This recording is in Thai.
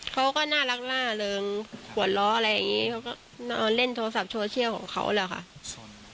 เค้าบนน่ารักล่าอยากปวดล้อยก็คงเล่นโทรเซอล์ของเค้าเหรอ